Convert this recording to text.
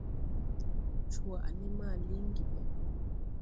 Jwaʼ ne ma liŋgi ɓɛ.